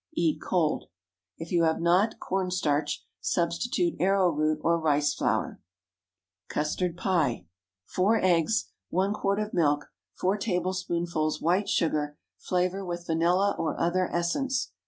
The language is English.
Eat cold. If you have not corn starch, substitute arrow root or rice flour. CUSTARD PIE. 4 eggs. 1 quart of milk. 4 tablespoonfuls white sugar. Flavor with vanilla or other essence.